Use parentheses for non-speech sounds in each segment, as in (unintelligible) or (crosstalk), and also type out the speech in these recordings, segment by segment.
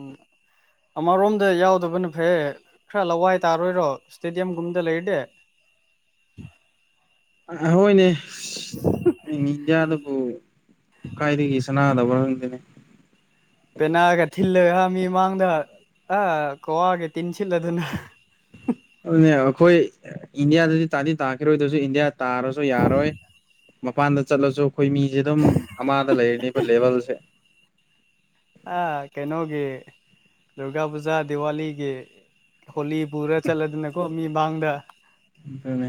ꯎꯝ ꯑꯃꯔꯣꯝꯗ ꯌꯥꯎꯗꯕꯅ ꯐꯩꯌꯦ ꯈ꯭ꯔ ꯂꯋꯥꯏ ꯇꯥꯔꯣꯏꯔꯣ ꯁ꯭ꯇꯦꯗꯤꯌꯝꯒꯨꯝꯗ ꯂꯩꯔꯗꯤ (inaudible) ꯑ ꯍꯣꯢꯅꯦ ꯁꯤ ꯏꯟꯗ꯭ꯌꯥꯗꯕꯨ ꯀꯥꯏꯗꯒꯤ ꯀꯅꯅ ꯇꯧꯕ꯭ꯔ ꯈꯪꯗꯦꯅꯦ ꯄꯦꯅꯥꯒ ꯊꯤꯜꯂꯍꯥ ꯃꯤꯃꯥꯡꯗ ꯑ ꯀ꯭ꯋꯥꯒ ꯇꯤꯟꯁꯤꯠꯂꯣꯗꯅ ꯑꯗꯨꯅꯦ ꯑꯩꯈꯣꯏ ꯑ ꯏꯟꯗꯤꯌꯥꯗꯗꯤ ꯇꯥꯗꯤ ꯇꯥꯈꯤꯔꯣꯏ ꯑꯗꯨꯁꯨ ꯏꯟꯗꯤꯌꯥ ꯇꯥꯔꯁꯨ ꯌꯥꯔꯣꯏ ꯃꯄꯥꯟꯗ ꯆꯠꯂꯁꯨ ꯑꯩꯈꯣꯏ ꯃꯤꯁꯦ ꯑꯗꯨꯝ ꯑꯃꯗ ꯂꯩꯔꯅꯤꯕ ꯂꯦꯕꯦꯜꯁꯦ ꯑꯥ ꯀꯩꯅꯣꯒꯤ ꯗꯨꯔꯒꯥ ꯄꯨꯖꯥ ꯗꯤꯋꯥꯂꯤꯒꯤ ꯍꯣꯂꯤ ꯄꯨꯔ ꯆꯠꯂꯗꯅꯀꯣ ꯃꯤ ꯃꯥꯡꯗ ꯑꯗꯨꯅꯦ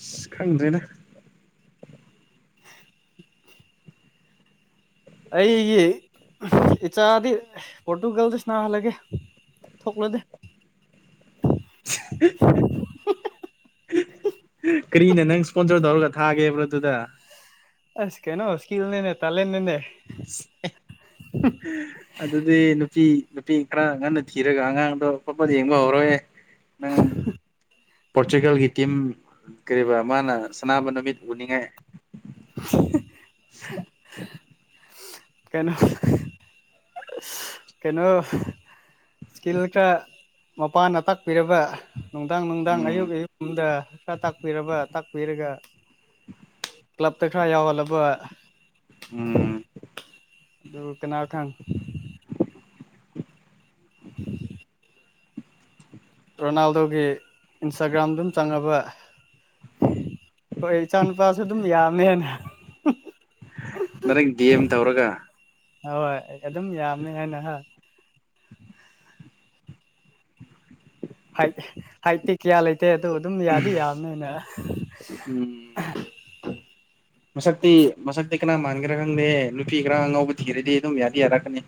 ꯏꯁ ꯈꯪꯗ꯭ꯔꯦꯗ ꯑꯩꯒꯤ ꯏꯆꯥꯗꯤ ꯄꯣꯔꯇꯨꯒꯜꯗ ꯁꯅꯥꯍꯜꯂꯒꯦ ꯊꯣꯛꯂꯗꯦ (unintelligible) ꯀꯔꯤꯅ ꯅꯪ ꯁ꯭ꯄꯣꯟꯁꯔ ꯇꯧꯔꯒ ꯊꯥꯒꯦꯕ꯭ꯔ ꯗꯨꯗ ꯑꯁ ꯀꯩꯅꯣ ꯁ꯭ꯀꯤꯜ ꯅꯤꯅ ꯇꯂꯦꯟ ꯅꯦꯅꯦ (unintelligible) ꯑꯗꯨꯗꯤ ꯅꯨ ꯅꯄꯤ ꯅꯨꯄꯤ ꯈ꯭ꯔ ꯉꯟꯅ ꯊꯤꯔꯒ ꯑꯉꯥꯡꯗꯣ ꯄꯠꯄꯠ ꯌꯦꯡꯕ ꯍꯧꯔꯦ (unintelligible) ꯄꯣꯔꯇꯨꯒꯜꯒꯤ ꯇꯤꯝ ꯀꯔꯤꯕ ꯁꯥꯟꯅꯕ ꯅꯨꯃꯤꯠ ꯎꯅꯤꯡꯉꯥꯏ (unintelligible) ꯀꯩꯅꯣ (unintelligible) ꯀꯩꯅꯣ ꯏꯁꯀꯤꯜ ꯈꯔ ꯃꯄꯥꯥꯅ ꯇꯥꯛꯄꯤꯔꯕ ꯅꯨꯡꯗꯥꯡ ꯅꯨꯡꯗꯥꯡ ꯎꯝ ꯑꯌꯨꯛ ꯑꯌꯨꯛꯒꯨꯝꯗ ꯈꯔ ꯇꯥꯛꯄꯤꯔꯕ ꯇꯥꯛꯄꯤꯔꯒ ꯀ꯭ꯂꯕꯇ ꯈꯔ ꯌꯥꯎꯍꯜꯂꯕ ꯎꯝ ꯑꯗꯨ ꯀꯅꯥ ꯈꯪ (unintelligible) ꯔꯣꯅꯥꯜꯗꯣꯒꯤ ꯏꯟꯁꯇꯥꯒ꯭ꯔꯥꯝꯗꯨꯝ ꯆꯪꯉꯕ ꯍꯣꯏ ꯏꯆꯥ ꯅꯨꯨꯄꯥꯁꯨ ꯑꯗꯨꯝ ꯌꯥꯝꯅꯦꯅ ꯗꯥꯏꯔꯦꯛ ꯗꯤ ꯑꯦꯝ ꯇꯧꯔꯒ ꯍꯣꯏ ꯍꯣꯏ ꯑꯩ ꯑꯗꯨꯝ ꯌꯥꯝꯃꯦ ꯍꯥꯏꯅ ꯍꯥꯏ ꯍꯥꯏ ꯇꯤ ꯀꯌꯥ ꯂꯩ ꯇꯦ ꯑꯗꯨ ꯑꯗꯨꯝ ꯌꯥꯗꯤ ꯌꯥꯝꯅꯤꯅ ꯎꯝ ꯃꯁꯛꯇꯤ ꯃꯁꯛꯇꯤ ꯀꯅꯥ ꯃꯥꯟꯒꯦꯔꯥ ꯈꯪꯗꯦ ꯅꯨꯄꯤ ꯈꯔ ꯑꯉꯥꯎꯕ ꯊꯤꯔꯗꯤ ꯑꯗꯨꯝ ꯌꯥꯗꯤ ꯌꯥꯔꯛꯀꯅꯤ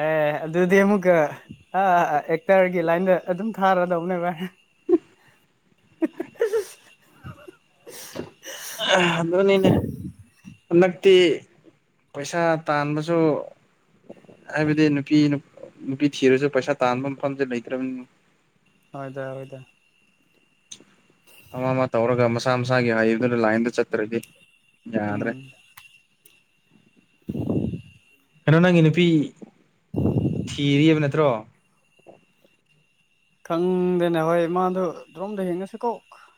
ꯑꯦ ꯑꯗꯨꯗꯤ ꯑꯃꯨꯛꯀ ꯑ ꯑꯦꯛꯇꯔꯒꯤ ꯂꯥꯏꯟꯗ ꯑꯗꯨꯝ ꯊꯥꯔꯗꯧꯅꯦ ꯚꯥꯏ (unintelligible) (unintelligible) ꯑꯗꯨꯅꯤꯅꯦ ꯍꯟꯗꯛꯇꯤ ꯄꯩꯁꯥ ꯇꯥꯟꯕꯁꯨ ꯍꯥꯏꯕꯗꯤ ꯅꯨꯄꯤ ꯅꯨꯄꯤ ꯊꯤꯔꯁꯨ ꯄꯩꯁꯥ ꯇꯥꯟꯕ ꯃꯐꯝꯁꯦ ꯂꯩꯇ꯭ꯔꯕꯅꯤꯅ ꯍꯣꯏꯗ ꯍꯣꯏꯗ ꯑꯃ ꯑꯃ ꯇꯧꯔꯒ ꯃꯁꯥ ꯃꯁꯥꯒꯤ ꯍꯥꯏꯕꯗꯨꯅ ꯂꯥꯏꯟꯗ ꯆꯠꯇ꯭ꯔꯗꯤ ꯌꯥꯗ꯭ꯔꯦ ꯎꯝ ꯀꯩꯅꯣ ꯅꯪꯒꯤ ꯅꯨꯄꯤ ꯊꯤꯔꯤꯑꯕ ꯅꯠꯇ꯭ꯔꯣ ꯈꯪꯗꯦꯅꯦ ꯍꯣꯏ ꯃꯥꯗꯣ ꯑꯣꯝꯗ ꯍꯦꯡꯉꯁꯤ ꯀꯣ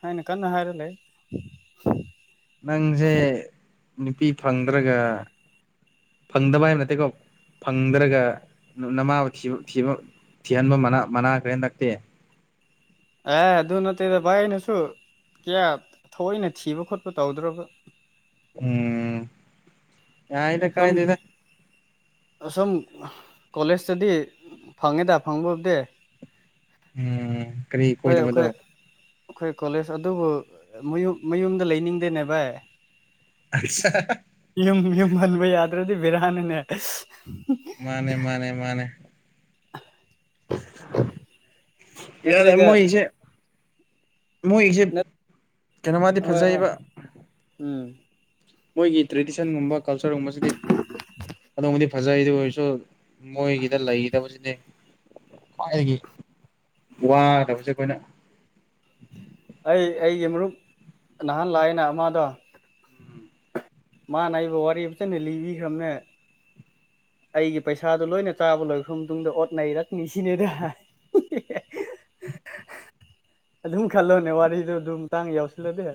ꯍꯥꯏꯅ ꯀꯟꯅ ꯍꯥꯏꯔꯒ ꯂꯩ ꯅꯪꯁꯦ ꯅꯨꯄꯤ ꯐꯪꯗ꯭ꯔꯒ ꯐꯪꯗꯕ ꯍꯥꯏꯕ ꯅꯠꯇꯦꯀꯣ ꯐꯪꯗ꯭ꯔꯒ ꯅꯃꯥꯕꯨ ꯊꯤꯕ ꯊꯤꯕ ꯊꯤꯍꯟꯕ ꯃꯅꯥ ꯃꯥꯟꯅꯈꯔꯦ ꯍꯟꯗꯛꯇꯤ (inaudible) ꯑꯦ ꯑꯗꯨ ꯅꯠꯇꯦꯗ ꯚꯥꯏ ꯑꯩꯅꯁꯨꯨ ꯀꯌꯥ ꯊꯑꯣꯏꯅ ꯊꯤꯕ ꯈꯣꯠꯄ ꯇꯧꯗ꯭ꯔꯣꯕ ꯎꯝ ꯌꯥꯏꯗ ꯁꯨꯝ ꯀꯥꯏꯗꯦꯗ ꯑꯁꯨꯝ ꯀꯣꯂꯦꯖꯇꯗꯤ ꯐꯪꯉꯦꯗ ꯐꯪꯕꯕꯨꯗꯤ ꯎꯝ ꯀꯔꯤ ꯀꯣꯏꯗꯕꯗꯣ ꯑꯩꯈꯣꯏ ꯑꯩꯈꯣꯏ ꯀꯣꯂꯦꯖ ꯑꯗꯨꯕꯨ ꯃꯌꯨꯝ ꯃꯌꯨꯝꯗ ꯂꯩꯅꯤꯡꯗꯦꯅꯦ ꯚꯥꯏ ꯑꯁ (unintelligible) ꯌꯨꯝ ꯌꯨꯝ ꯍꯟꯕ ꯌꯥꯗ꯭ꯔꯗꯤ ꯕꯤꯔꯥꯅꯦꯅꯦ ꯃꯥꯅꯦ ꯃꯥꯅꯦ ꯃꯥꯅꯦ ꯌꯥꯗꯦ ꯅꯠꯇ꯭ꯔꯒ ꯃꯣꯏꯒꯤꯁꯦ ꯃꯣꯏꯒꯤꯁꯦ ꯀꯩꯅꯣꯃꯗꯤ ꯍꯣꯏ ꯍꯣꯏ ꯐꯖꯩꯕ ꯎꯝ ꯃꯣꯏꯒꯤ ꯇ꯭ꯔꯦꯗꯤꯁꯟꯒꯨꯝꯕ ꯀꯜꯆꯔꯒꯨꯝꯕꯁꯤꯗꯤ ꯑꯗꯣꯝꯕꯨꯗꯤ ꯐꯖꯩ ꯑꯗꯨ ꯑꯣꯏꯔꯁꯨ ꯃꯣꯏꯒꯤꯗ ꯂꯩꯒꯗꯕ ꯖꯤꯅꯦ ꯈ꯭ꯋꯥꯏꯒꯤ ꯋꯥꯗꯕꯖꯦ ꯑꯈꯣꯏꯅ ꯑꯩ ꯑꯩꯒꯤ ꯃꯔꯨꯞ ꯅꯍꯥꯟ ꯂꯥꯛꯑꯦꯅ ꯑꯃꯥꯗꯣ ꯎꯝ ꯃꯥꯅ ꯑꯩꯕꯨ ꯋꯥꯔꯤ ꯐꯖꯅ ꯂꯤꯕꯤꯈ꯭ꯔꯕꯅꯦ ꯑꯩꯒꯤ ꯄꯩꯁꯥꯗꯣ ꯂꯣꯏꯅ ꯆꯥꯕ ꯂꯣꯏꯈ꯭ꯔ ꯃꯇꯨꯡꯗ ꯑꯣꯠ ꯅꯩꯔꯛꯅꯤ ꯁꯤꯅꯦꯗ (unintelligible) ꯑꯗꯨꯝ ꯈꯜꯂꯣꯅꯦ ꯋꯥꯔꯤꯗꯣ ꯑꯗꯨꯝ ꯇꯥꯡ ꯌꯥꯎꯁꯤꯜꯂꯗꯤ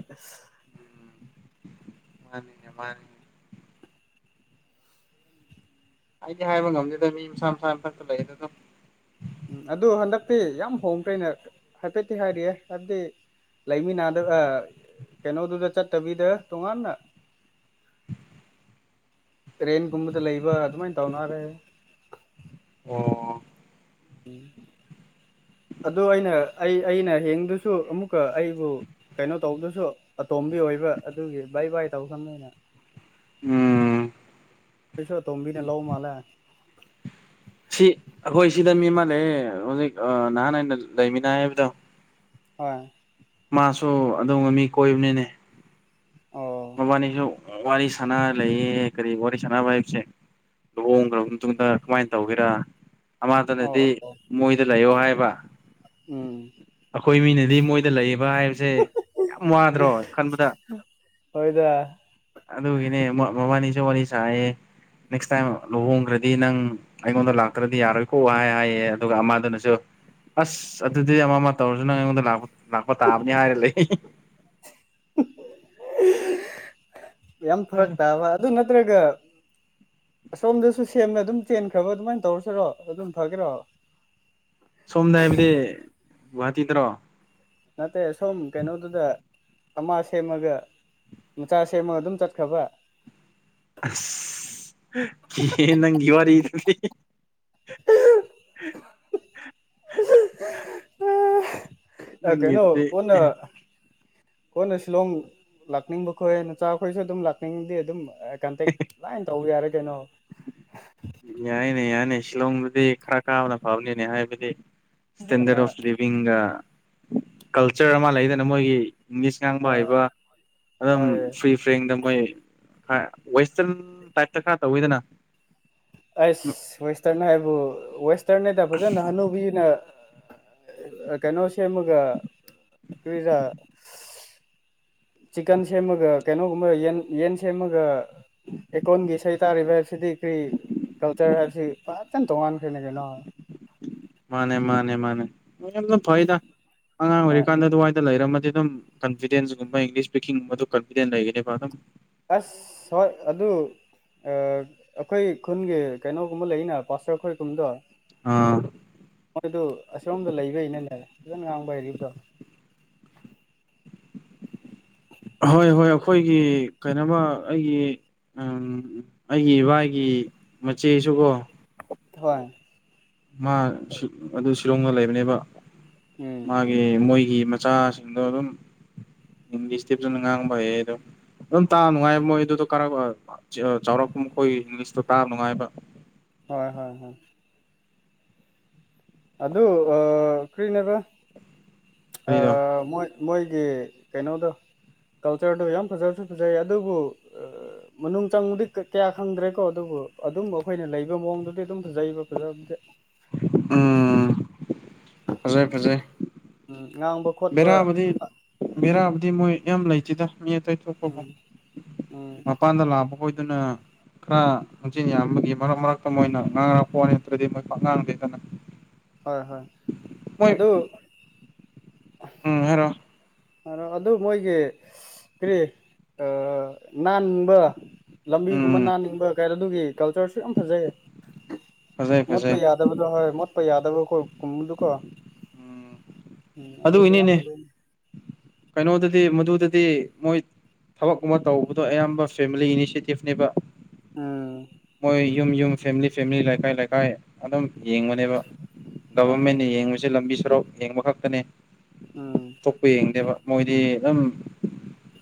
ꯃꯥꯟꯅꯤꯅꯦ ꯃꯥꯟꯅꯤꯅꯦ ꯑꯩꯗꯤ ꯍꯥꯏꯕ ꯉꯝꯗꯦꯗ ꯃꯤ ꯃꯁꯥ ꯃꯁꯥ ꯑꯃꯊꯛꯇ ꯂꯩ ꯑꯗꯨꯗꯣ ꯎꯝ ꯑꯗꯨ ꯍꯟꯗꯛꯇꯤ ꯌꯥꯝ ꯍꯣꯡꯈꯔꯦꯅꯦ ꯍꯥꯏꯐꯦꯠꯇꯤ ꯍꯥꯏꯔꯤꯌꯦ ꯍꯥꯏꯕꯗꯤ ꯂꯩꯃꯤꯟꯅ ꯑꯗꯨꯒ ꯀꯩꯅꯣꯗꯨꯗ ꯆꯠꯇꯕꯤꯗ ꯇꯣꯉꯥꯟꯅ ꯇ꯭ꯔꯦꯟꯒꯨꯝꯕꯗ ꯂꯩꯕ ꯑꯗꯨꯃꯥꯏꯅ ꯇꯧꯒ꯭ꯔꯦ ꯑꯣ ꯑꯗꯨ ꯑꯩꯅ ꯑꯩ ꯑꯩꯅ ꯍꯦꯟꯗꯁꯨ ꯑꯃꯨꯛꯀ ꯑꯩꯕꯨ ꯀꯩꯅꯣ ꯇꯧꯕꯗꯨꯁꯨ ꯑꯇꯣꯝꯕꯤ ꯑꯣꯏ ꯑꯣꯏꯕ ꯑꯗꯨꯒꯤ ꯕꯥꯏ ꯕꯥꯏ ꯇꯧ ꯈ꯭ꯔꯕꯅꯦ ꯑꯩꯅ ꯎꯝ ꯄꯩꯁꯥ ꯑꯇꯣꯝꯕꯤꯅ ꯂꯧꯕ ꯃꯥꯂꯦ ꯁꯤ ꯑꯩꯈꯣꯏ ꯁꯤꯗ ꯃꯤ ꯑꯃ ꯂꯩꯌꯦ ꯍꯧꯖꯤꯛ ꯅꯍꯥꯟ ꯑꯩꯅ ꯂꯩꯃꯤꯟꯅꯩ ꯍꯥꯏꯕꯗꯣ ꯍꯣꯏ ꯃꯥꯁꯨ ꯑꯗꯨꯝꯕ ꯃꯤ ꯀꯣꯏꯕꯅꯤꯅꯦ ꯑꯣ ꯃꯕꯥꯅꯤꯁꯨ ꯋꯥꯔꯤ ꯁꯟꯅꯔꯥ ꯂꯩꯌꯦ ꯀꯔꯤ ꯋꯥꯔꯤ ꯁꯟꯅꯕ ꯍꯥꯏꯁꯦ ꯂꯨꯍꯣꯡꯈ꯭ꯒꯔꯕ ꯃꯇꯨꯡꯗ ꯀꯃꯥꯏꯅ ꯇꯧꯒꯦꯔꯥ ꯑꯣ ꯑꯃꯗꯨꯅꯗꯤ ꯑꯣ ꯃꯣꯏꯗ ꯂꯩꯌꯣ ꯍꯥꯏꯕ ꯎꯝ ꯑꯩꯈꯣꯏ ꯃꯤꯅꯗꯤ ꯃꯣꯏꯗ ꯂꯩꯌꯦꯕ ꯍꯥꯏꯕꯁꯦ ꯌꯥꯝ ꯋꯥꯗ꯭ꯔꯣ ꯈꯟꯕꯗ ꯍꯣꯏꯗ ꯑꯗꯨꯒꯤꯅꯦ ꯃꯕꯥꯅꯤꯁꯨ ꯋꯥꯔꯤ ꯁꯥꯏꯌꯦ ꯅꯦꯛꯁ ꯇꯥꯏꯝ ꯂꯨꯍꯣꯡꯈ꯭ꯔꯗꯤ ꯅꯪ ꯑꯩꯉꯣꯟꯗ ꯂꯥꯛꯇ꯭ꯔꯗꯤ ꯌꯥꯔꯣꯏꯀꯣꯑꯣ ꯍꯥꯏ ꯍꯥꯏꯌꯦ ꯑꯗꯨꯒ ꯑꯃꯗꯨꯅꯁꯨ ꯑꯁ ꯑꯗꯨꯗꯤ ꯑꯃ ꯑꯃ ꯇꯧꯔꯁꯨ ꯅꯪ ꯑꯩꯉꯣꯟꯗ ꯂꯥꯛꯄ ꯂꯛꯄ ꯇꯥꯕꯅꯤ ꯍꯥꯏꯔ ꯂꯩ ꯍꯤ ꯍꯤ ꯌꯥꯝ ꯐꯔꯛ ꯇꯥꯕ ꯑꯗꯨ ꯅꯠꯇ꯭ꯔꯒ (inaudible) ꯑꯁꯣꯝꯗꯁꯨ ꯁꯦꯝꯅ ꯑꯗꯨꯝ ꯆꯦꯟꯈ꯭ꯔꯕ ꯑꯗꯨꯃꯥꯏꯅ ꯇꯧꯔꯁꯤꯔꯣ ꯑꯗꯨꯝ ꯐꯒꯦꯔꯣ ꯁꯣꯝꯗ ꯍꯥꯏꯕꯗꯤ ꯒꯨꯍꯥꯇꯤꯗꯔꯣ ꯅꯠꯇꯦ ꯁꯣꯝ ꯀꯩꯅꯣꯗꯨꯗ ꯑꯃ ꯁꯦꯝꯃꯒ ꯃꯆꯥ ꯁꯦꯝꯃꯒ ꯑꯗꯨꯝ ꯆꯠꯈ꯭ꯔꯕ ꯑꯁ ꯀꯤꯌꯦ ꯅꯪꯒꯤ ꯋꯥꯔꯤꯗꯨꯗꯤ (unintelligible) ꯑꯥ ꯀꯩꯅꯣ ꯅꯪꯒꯤꯗꯨꯗꯤ ꯀꯣꯟꯅ ꯀꯣꯟꯅ ꯁꯤꯂꯣꯡ ꯂꯥꯛꯅꯤꯡꯕ ꯈꯣꯏ ꯅꯆꯥꯈꯣꯏꯁꯨ ꯑꯗꯨꯝ ꯂꯥꯛꯅꯤꯡꯕꯗꯤ ꯑꯗꯨꯝ ꯀꯟꯇꯦꯛ ꯂꯥꯏꯅ ꯇꯧꯕ ꯌꯥꯔꯦ ꯀꯩꯅꯣ ꯌꯥꯏꯅꯦ ꯌꯥꯢꯅꯦ ꯁꯤꯂꯣꯡꯗꯨꯗꯤ ꯈꯔ ꯀꯥꯕꯅ ꯐꯕꯅꯤꯅꯦ ꯍꯥꯏꯕꯗꯤ ꯏꯁꯇꯦꯟꯗꯔꯠ ꯍꯣꯏ ꯑꯣꯐ ꯂꯤꯕꯤꯡꯒ ꯀꯜꯆꯔ ꯑꯃ ꯂꯩꯗꯅ ꯃꯣꯏꯒꯤ ꯏꯪꯂꯤꯁ ꯉꯥꯡꯕ ꯍꯣꯏ ꯍꯩꯕ ꯑꯗꯨꯝ ꯍꯣꯏ ꯐ꯭ꯔꯤ ꯐꯦꯡꯗ ꯃꯣꯏ ꯋꯦꯁꯇꯔꯤꯟ ꯇꯥꯞꯇ ꯈꯔ ꯇꯧꯋꯤꯗꯅ ꯑꯁ ꯋꯦꯁꯇꯔꯟ ꯍꯥꯏꯕꯨ ꯋꯦꯁꯇꯔꯟꯗ ꯐꯖꯅ ꯍꯅꯨꯕꯤꯅ ꯀꯩꯅꯣ ꯁꯦꯝꯃꯒ ꯀꯔꯤꯔ ꯆꯤꯛꯟ ꯁꯦꯃꯒ ꯀꯩꯅꯣꯒꯨꯝꯕ ꯌꯦꯟ ꯌꯦꯟ ꯁꯦꯝꯃꯒ ꯑꯩꯀꯣꯟꯒꯤ ꯏꯁꯩ ꯇꯥꯔꯤꯕ ꯍꯥꯏꯕꯁꯤꯗꯤ ꯀꯔꯤ ꯀꯜꯆꯔ ꯍꯥꯏꯕꯁꯤ ꯄꯐꯖꯅ ꯇꯣꯉꯥꯟ ꯈ꯭ꯔꯦ ꯅꯦ ꯀꯩꯅꯣ ꯃꯥꯅꯦ ꯃꯥꯅꯦ ꯃꯥꯅꯦ ꯂꯣꯢꯅ ꯐꯩꯗ ꯑꯉꯥꯡ ꯍꯣꯏ ꯑꯣꯏꯔꯤꯀꯥꯟꯗ ꯑꯗꯨꯋꯥꯏꯗ ꯂꯩꯔꯝ ꯑꯗꯨꯝ ꯀꯟꯐꯤꯗꯦꯟꯁꯀꯨꯝꯕ ꯏꯪꯂꯤꯁ ꯏꯁꯄꯤꯛꯀꯤꯡꯒꯨꯝꯕꯗ ꯀꯟꯐꯤꯗꯦꯟ ꯂꯩꯒꯅꯦꯕ ꯑꯗꯨꯝ ꯑꯁ ꯍꯣꯏ ꯑꯗꯨ ꯑꯩꯈꯣꯏ ꯈꯨꯟꯒꯤ ꯀꯩꯅꯣꯒꯨꯝꯕ ꯂꯩꯅ ꯄꯥꯁꯇꯔ ꯈꯣꯏꯒꯨꯝꯕꯗꯣ ꯑꯥ ꯃꯣꯏꯗꯨ ꯑꯁꯣꯝꯗ ꯂꯩꯕꯩꯅꯤꯅꯦ ꯐꯖꯅ ꯉꯥꯡꯕ ꯍꯔꯤꯗꯣ ꯍꯣꯏ ꯍꯣꯏ ꯑꯩꯈꯣꯏꯒꯤ ꯀꯩꯅꯣꯃ ꯑꯩꯒꯤ ꯎꯝ ꯑꯩꯒꯤ ꯏꯕꯥꯏꯒꯤ ꯃꯆꯦꯁꯨꯀꯣ ꯊꯣꯏ ꯃꯥ ꯑꯗꯨ ꯁꯤꯂꯣꯡꯗ ꯂꯩꯕꯅꯦꯕ ꯎꯝ ꯃꯥꯒꯤ ꯃꯣꯏ ꯒꯤ ꯃꯆꯥꯁꯤꯡꯗꯣ ꯑꯗꯨꯝ ꯏꯪꯂꯤꯁꯇꯤ ꯐꯖꯅ ꯉꯥꯡꯕ ꯍꯩꯌꯦ ꯑꯗꯣ ꯑꯗꯨꯝ ꯇꯥꯕ ꯅꯨꯡꯉꯥꯏꯕ ꯃꯣꯏ ꯑꯗꯨꯗꯣ ꯆꯥꯎꯔꯛꯄ ꯃꯈꯣꯏ ꯏꯪꯂꯤꯁꯇꯣ ꯇꯥꯕ ꯅꯨꯡꯉꯥꯏꯕ ꯍꯣꯏ ꯍꯣꯏ ꯍꯣꯏ ꯑꯗꯨ ꯀꯔꯤꯅꯦꯕ ꯀꯔꯤꯗꯣ ꯑꯥ ꯃꯣꯏ ꯃꯣꯏꯒꯤ ꯀꯩꯅꯣꯗꯣ ꯀꯜꯆꯔꯗꯣ ꯌꯥꯝ ꯐꯖꯕꯁꯨ ꯐꯖꯩ ꯑꯗꯨꯕꯨ ꯃꯅꯨꯡ ꯆꯪꯕꯗꯤ ꯀꯌꯥ ꯈꯪꯗ꯭ꯔꯦꯀꯣ ꯑꯗꯨꯕꯨ ꯑꯗꯨꯝꯕ ꯑꯩꯈꯣꯏꯅ ꯂꯩꯕ ꯃꯑꯣꯡꯗꯨꯗꯤ ꯑꯗꯨꯝ ꯐꯖꯩꯕ ꯐꯖꯕꯗꯤ ꯎꯝ ꯐꯖꯩ ꯐꯖꯩ ꯎꯝ ꯉꯥꯡꯕ ꯈꯣꯠꯄ ꯕꯦꯔꯥꯕꯨꯗꯤ ꯕꯦꯔꯥꯕꯨꯗꯤ ꯃꯣꯏ ꯌꯥꯝ ꯂꯩꯇꯦꯗ ꯃꯤ ꯑꯇꯩ ꯊꯣꯛꯄꯕꯨ ꯎꯝ ꯎꯝ ꯃꯄꯥꯟꯗ ꯂꯥꯛꯕ ꯈꯣꯏꯗꯨꯅ ꯈꯔ ꯍꯪꯖꯤꯟ ꯌꯥꯝꯕꯒꯤ ꯃꯔꯛ ꯃꯔꯛꯇ ꯃꯣꯏꯅ ꯉꯥꯡꯉꯔꯛꯄꯅꯦ ꯅꯠꯇ꯭ꯔꯗꯤ ꯃꯣꯏ ꯄꯥꯛ ꯉꯥꯡꯗꯦꯗꯅ ꯍꯣꯏ ꯍꯣꯏ ꯃꯣꯏ ꯑꯗꯨ ꯎꯝ ꯍꯥꯏꯔꯣ ꯍꯥꯏꯔꯣ ꯑꯗꯨ ꯃꯣꯏꯒꯤ ꯀꯔꯤ ꯑꯥ ꯅꯥꯟꯕ ꯂꯝꯕꯤꯒꯨꯝꯕ ꯎꯝ ꯅꯥꯟꯅꯤꯡꯕ ꯀꯩꯔꯣ ꯑꯗꯨꯒꯤ ꯀꯜꯆꯔꯁꯨ ꯌꯥꯝ ꯐꯖꯩꯌꯦ ꯐꯖꯩ ꯃꯣꯠꯄ ꯐꯖꯩ ꯌꯥꯗꯕꯗꯣ ꯍꯣꯏ ꯃꯣꯠꯄ ꯌꯥꯗꯕ ꯀꯣ ꯀꯨꯝꯃꯨꯗꯨꯀꯣ ꯎꯝ ꯎꯝ ꯑꯗꯨꯗꯣ ꯌꯥꯝ ꯑꯗꯨꯒꯤꯅꯤꯅꯦ ꯐꯖꯩꯅꯦ ꯀꯩꯅꯣꯗꯗꯤ ꯃꯗꯨꯗꯗꯤ ꯃꯣꯏ ꯊꯕꯛꯀꯨꯝꯕ ꯇꯧꯕꯗꯣ ꯑꯌꯥꯝꯕ ꯐꯦꯃꯤꯂꯤ ꯏꯅꯤꯁꯦꯇꯤꯞꯅꯦꯕ ꯎꯝ ꯃꯣꯏ ꯌꯨꯝ ꯌꯨꯝ ꯐꯦꯃꯤꯂꯤ ꯐꯦꯃꯤꯂꯤ ꯂꯩꯀꯥꯏ ꯂꯩꯀꯥꯏ ꯑꯗꯨꯝ ꯌꯦꯡꯕꯅꯦꯕ ꯍꯣꯏ ꯍꯣꯏ ꯒꯕꯔꯃꯦꯟꯅ ꯌꯦꯡꯕꯁꯦ ꯂꯝꯕꯤ ꯁꯔꯣꯛ ꯌꯦꯡꯕ ꯈꯛꯇꯅꯦ ꯎꯝ ꯊꯣꯛꯄ ꯌꯦꯡꯗꯦꯕ ꯃꯣꯏꯗꯤ ꯑꯗꯨꯝ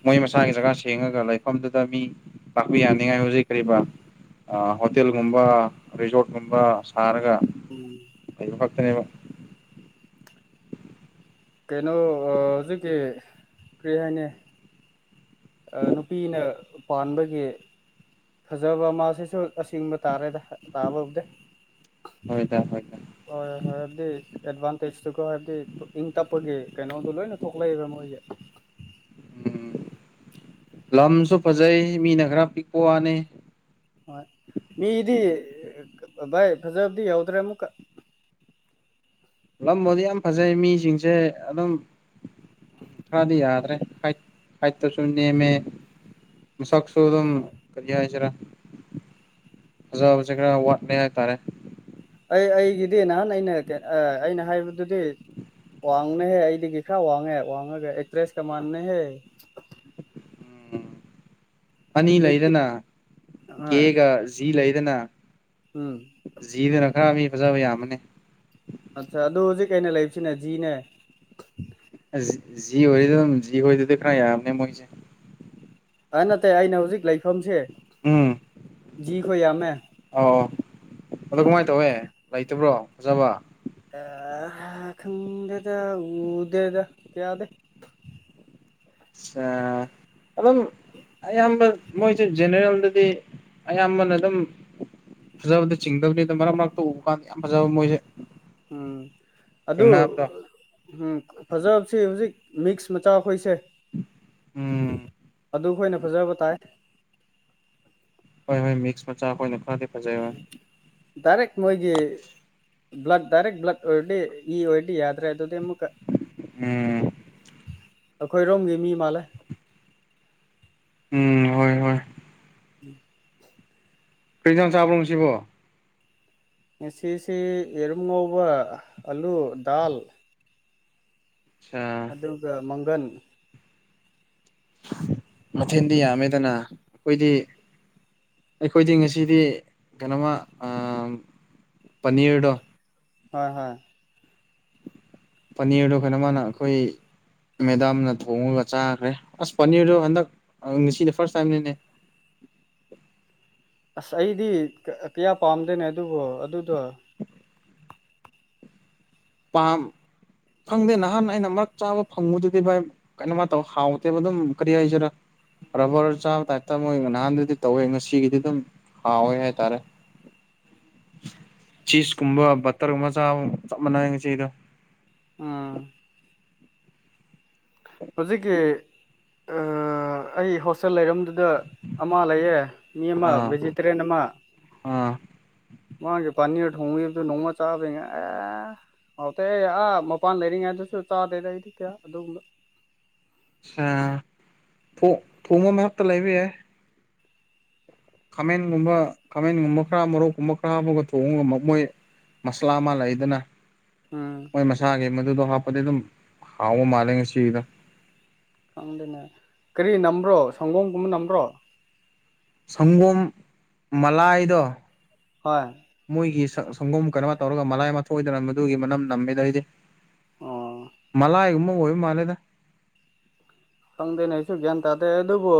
ꯃꯣꯏ ꯃꯁꯥꯒꯤ ꯖꯒꯥ ꯁꯦꯡꯉꯒ ꯂꯩꯐꯝꯗꯨꯗ ꯃꯤ ꯂꯥꯛꯄ ꯌꯥꯅꯤꯡꯉꯥꯏ ꯍꯧꯖꯤꯛ ꯀꯔꯤꯕ ꯑꯥ ꯍꯣꯇꯦꯜꯒꯨꯝꯕ ꯔꯤꯖꯣꯔꯠꯀꯨꯝꯕ ꯁꯥꯔꯒ ꯎꯝ ꯀꯩ ꯍꯥꯏꯕ ꯀꯩꯅꯣ ꯍꯧꯖꯤꯛꯀꯤ ꯀꯔꯤ ꯍꯥꯏꯅꯤ ꯅꯨꯄꯤꯅ ꯄꯥꯟꯕꯒꯤ ꯐꯖꯕ ꯃꯥꯁꯤꯁꯨ ꯑꯁꯦꯡꯕ ꯇꯥꯔꯦꯗ ꯇꯥꯕꯕꯨꯗꯤ ꯍꯣꯏꯗ ꯍꯣꯏꯗ ꯍꯣꯏ ꯍꯣꯏ ꯗꯠ ꯑꯦꯗꯚꯥꯟꯇꯦꯖꯇꯨꯀꯣ ꯍꯥꯏꯕꯗꯤ ꯏꯪ ꯇꯞꯄꯒꯤ ꯀꯩꯅꯣꯗꯣ ꯂꯣꯏꯅ ꯊꯣꯛꯂꯛꯏꯕ ꯃꯣꯏꯒꯤ ꯎꯝ ꯂꯝꯁꯨ ꯐꯖꯩ ꯃꯤꯅ ꯈꯔ ꯄꯤꯛꯄ ꯋꯥꯅꯦ ꯍꯣꯏ ꯃꯤꯗꯤ ꯚꯥꯏ ꯐꯖꯕꯗꯤ ꯌꯥꯎꯗ꯭ꯔꯦ ꯑꯃꯨꯛꯀ ꯂꯝꯕꯨꯗꯤ ꯌꯥꯝ ꯐꯖꯩ ꯃꯤꯁꯤꯡꯁꯦ ꯑꯗꯨꯝ ꯈꯔꯗꯤ ꯌꯥꯗ꯭ꯔꯦ ꯍꯥꯏꯠ ꯍꯥꯏꯠꯇꯁꯨꯨ ꯅꯦꯝꯃꯦ ꯃꯁꯛ ꯑꯗꯨꯝ ꯀꯔꯤ ꯍꯥꯏꯁꯤꯔ ꯐꯖꯕꯁꯦ ꯈꯔ ꯋꯥꯠꯂꯦ ꯍꯥꯏꯇꯥꯔꯦ ꯑꯩ ꯑꯩꯒꯤꯗꯤ ꯅꯍꯥꯟ ꯑꯩꯅ ꯑꯩꯅ ꯍꯥꯏꯕꯗꯨꯗꯤ ꯋꯥꯡꯅꯍꯦ ꯑꯩꯗꯒꯤ ꯈꯔ ꯋꯥꯡꯉꯦ ꯋꯥꯡꯉꯒ ꯑꯦꯇ꯭ꯔꯦꯁꯀ ꯃꯥꯟꯕꯅꯦꯍꯦ ꯎꯝ ꯑꯅꯤ ꯃꯤꯛꯇꯤ ꯂꯩꯗꯅ ꯍꯣꯏ ꯀꯦꯒ ꯖꯤ ꯂꯩꯗꯅ ꯎꯝ ꯖꯤꯗꯅ ꯈ꯭ꯔ ꯃꯤ ꯐꯖꯕ ꯌꯥꯝꯕꯅꯦ ꯑꯠꯆꯥ ꯑꯗꯨ ꯍꯧꯖꯤꯛ ꯀꯩꯅ ꯂꯩꯕꯁꯤꯅ ꯖꯤꯅꯦ ꯖꯤ ꯑꯣꯏꯔꯤꯗꯨꯝ ꯖꯤ ꯍꯣꯏꯗꯨꯗꯤ ꯈꯔ ꯌꯥꯝꯕꯅꯦ ꯃꯣꯏꯁꯦ ꯑꯥ ꯅꯠꯇꯦ ꯑꯩꯅ ꯍꯧꯖꯤꯛ ꯂꯩꯐꯝꯁꯦ ꯎꯝ ꯖꯤꯈꯣꯏ ꯌꯥꯝꯃꯦ ꯑꯧ ꯑꯗꯣ ꯀꯃꯥꯏꯅ ꯇꯧꯋꯦ ꯂꯩꯇꯕ꯭ꯔꯣ ꯐꯖꯕ ꯑꯥ ꯑꯥ ꯈꯪꯗꯦꯗ ꯎꯗꯦꯗ ꯀꯌꯥꯗꯤ ꯁꯥ ꯑꯗꯨꯝ ꯑꯌꯥꯝꯕ ꯃꯣꯏꯁꯦ ꯖꯦꯅꯦꯔꯦꯜ ꯑꯗꯨꯗꯤ ꯑꯌꯥꯝꯕꯅ ꯑꯗꯨꯝ ꯐꯖꯕꯗꯤ ꯆꯤꯡꯗꯕꯅꯤꯗ ꯃꯔꯛ ꯃꯔꯛꯇ ꯎꯕ ꯀꯥꯟꯗ ꯌꯥꯝ ꯐꯖꯕ ꯃꯣꯏꯁꯦ ꯎꯝ ꯑꯗꯨ ꯊꯦꯡꯅꯕꯗꯣ ꯎꯝ ꯐꯖꯕꯁꯤ ꯍꯧꯖꯤꯛ ꯃꯤꯛꯁ ꯃꯆꯥ ꯑꯩꯈꯣꯏꯁꯦ ꯎꯝ ꯑꯗꯨ ꯑꯩꯈꯣꯏꯅ ꯐꯖꯕ ꯇꯥꯏ ꯍꯣꯏ ꯍꯣꯏ ꯃꯤꯛꯁ ꯃꯆꯥ ꯈꯣꯏꯅ ꯎꯝ ꯗꯥꯏꯔꯦꯛ ꯃꯣꯏꯒꯤ ꯕ꯭ꯂꯗ ꯗꯥꯏꯔꯦꯛꯠ ꯕ꯭ꯂꯗ ꯑꯣꯏꯔꯗꯤ ꯏ ꯑꯣꯏꯔꯗꯤ ꯌꯥꯗ꯭ꯔꯦ ꯑꯗꯨꯗꯤ ꯑꯃꯨꯛ ꯎꯝ ꯑꯈꯣꯏꯔꯣꯝꯒꯤ ꯃꯤ ꯃꯥꯜꯂꯦ ꯎꯝ ꯍꯣꯏ ꯍꯣꯏ ꯎꯝ ꯀꯩ ꯏꯟꯖꯥꯡ ꯆꯥꯕ꯭ꯔꯣ ꯉꯁꯤꯕꯣ ꯉꯁꯤꯁꯤ ꯌꯦꯔꯨꯝ ꯉꯧꯕ ꯑꯂꯨ ꯗꯥꯜ ꯑꯠꯆꯥ ꯑꯗꯨꯗ ꯃꯪꯒꯟ ꯃꯊꯦꯟꯗꯤ ꯌꯥꯝꯃꯦꯗꯅ ꯑꯈꯣꯏꯗꯤ ꯑꯩꯈꯣꯏꯗꯤ ꯉꯁꯤꯗꯤ ꯀꯩꯅꯣꯃ ꯄꯅꯤꯔꯗꯣ ꯍꯣꯏ ꯍꯣꯏ ꯄꯅꯤꯔꯗꯣ ꯀꯩꯅꯣ ꯃꯥꯅ ꯑꯈꯣꯏ ꯃꯦꯗꯥꯝꯅ ꯊꯣꯡꯉꯒ ꯆꯥꯈ꯭ꯔꯦ ꯑꯁ ꯄꯅꯤꯔꯗꯨ ꯍꯟꯗꯛ ꯉꯁꯤꯗꯤ ꯐꯔꯁ ꯇꯥꯏꯝꯅꯤꯅꯦ (unintelligible) ꯑꯁ ꯑꯩꯗꯤ ꯀꯌꯥ ꯄꯥꯝꯗꯦꯅꯦ ꯑꯗꯨꯕꯣ ꯑꯗꯨꯗꯣ ꯄꯥꯝ ꯈꯪꯗꯦ ꯅꯍꯥꯟ ꯑꯩꯅ ꯃꯛ ꯆꯥꯕ ꯐꯪꯕꯗꯨꯗꯤ ꯚꯥꯏ ꯀꯩꯅꯣꯃ ꯇꯧ ꯍꯥꯎꯇꯦꯕ ꯑꯗꯨꯝ ꯀꯔꯤ ꯍꯥꯏꯁꯤꯔ ꯔꯕꯔ ꯆꯥꯕ ꯇꯥꯏꯞꯇ ꯃꯣꯏ ꯅꯍꯥꯟꯗꯤ ꯇꯧꯋꯦ ꯉꯁꯤꯒꯤꯗꯤ ꯑꯗꯨꯝ ꯍꯥꯎꯋꯦ ꯍꯥꯢ ꯇꯔꯦ ꯆꯤꯁꯀꯨꯝꯕ ꯕꯇꯔꯒꯨꯝꯕ ꯆꯥꯕ ꯆꯞ ꯃꯥꯟꯅꯩ ꯉꯁꯤꯒꯤꯗꯣ ꯑꯨꯝ ꯍꯧꯖꯤꯛꯀꯤ ꯑ ꯑꯩ ꯍꯣꯁꯇꯦꯜ ꯂꯩꯔꯝ ꯗ ꯑꯃ ꯂꯩꯌꯦ ꯃꯤ ꯑꯃ ꯑꯥ ꯚꯦꯖꯤꯇꯦꯔꯦꯟ ꯑꯃ ꯑꯥ ꯃꯥꯒꯤ ꯄꯥꯅꯤꯔ ꯊꯣꯡꯕꯒꯤꯗꯨ ꯅꯣꯡꯃ ꯆꯥꯕꯗꯩꯅꯦ ꯑꯦ ꯍꯥꯎꯇꯦ ꯑꯥ ꯃꯄꯥꯟ ꯂꯩꯔꯤꯉꯩꯗꯁꯨ ꯆꯥꯗꯦꯗ ꯑꯩꯗꯤ ꯀꯌꯥ ꯑꯗꯨꯒꯨꯝꯕ ꯑꯝ ꯊꯣꯛ ꯊꯣꯡꯉꯝꯃꯦ ꯃꯛꯇ ꯂꯩꯕ ꯌꯥꯏ ꯈꯥꯃꯦꯟꯒꯨꯝꯕ ꯈꯥꯃꯦꯟꯒꯨꯝꯕ ꯈꯔ ꯃꯣꯔꯣꯛꯀꯨꯝꯕ ꯈꯔ ꯑꯃꯒ ꯊꯣꯡꯉꯒ ꯃ ꯃꯣꯏ ꯃꯁꯂꯥ ꯑꯃ ꯂꯩꯗꯅꯥ ꯎꯝ ꯃꯣꯏ ꯃꯁꯥꯒꯤ ꯃꯗꯨꯗꯣ ꯍꯥꯞꯄꯗꯤ ꯑꯗꯨꯝ ꯍꯥꯎꯕ ꯃꯥꯜꯂꯦ ꯉꯁꯤꯒꯤꯗꯣ ꯈꯪꯗꯦꯅꯦ ꯀꯔꯤ ꯅꯝꯕ꯭ꯔꯣ ꯁꯪꯒꯣꯝꯒꯨꯝꯕ ꯅꯝꯕ꯭ꯔꯣ ꯁꯪꯒꯣꯝ ꯃꯂꯥꯏꯗꯣ ꯍꯣꯏ ꯃꯣꯏꯒꯤ ꯁꯪꯒꯣꯝ ꯀꯩꯅꯣꯃ ꯇꯧꯔꯒ ꯃꯂꯥꯏ ꯑꯃ ꯊꯣꯛꯢꯗꯅ ꯃꯗꯨꯒꯤ ꯃꯅꯝ ꯅꯝꯃꯤꯗ ꯑꯩꯗꯤ ꯑꯣ ꯃꯂꯥꯏ ꯒꯨꯝꯕ ꯑꯣꯏ ꯃꯥꯂꯦꯗ ꯈꯪꯗꯦꯅꯦ ꯑꯩꯁꯨ ꯒ꯭ꯌꯥꯟ ꯇꯥꯗꯦ ꯑꯗꯨꯕꯨ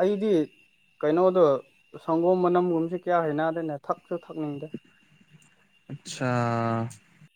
ꯑꯩꯗꯤ ꯀꯩꯅꯣꯗꯣ ꯁꯪꯒꯣꯝ ꯃꯅꯝꯒꯨꯝꯁꯤ ꯀꯌꯥ ꯍꯩꯅꯗꯦꯅꯦ ꯊꯛ ꯑꯠꯁꯥ